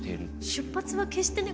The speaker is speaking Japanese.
出発は決してね